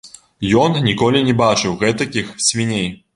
Ён ніколі не бачыў гэтакіх свіней.